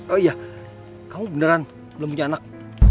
oh iya kamu beneran belum punya anak